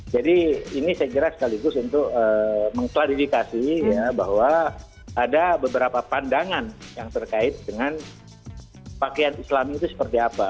jadi ini saya kira sekaligus untuk mengklarifikasi bahwa ada beberapa pandangan yang terkait dengan pakaian islami itu seperti apa